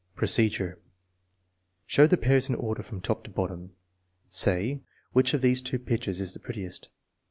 Procedure. Show the pairs in order from top to bottom. Say: " Which of these two pictures is the prettiest